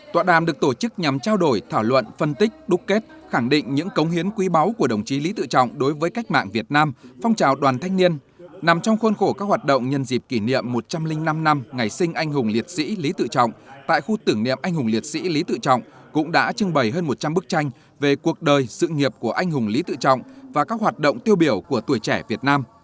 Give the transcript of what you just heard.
tọa đàm được tổ chức nhằm trao đổi thảo luận phân tích đúc kết khẳng định những công hiến quý báu của đồng chí lý tự trọng đối với cách mạng việt nam phong trào đoàn thanh niên nằm trong khuôn khổ các hoạt động nhân dịp kỷ niệm một trăm linh năm năm ngày sinh anh hùng liệt sĩ lý tự trọng tại khu tưởng niệm anh hùng liệt sĩ lý tự trọng cũng đã trưng bày hơn một trăm linh bức tranh về cuộc đời sự nghiệp của anh hùng lý tự trọng và các hoạt động tiêu biểu của tuổi trẻ việt nam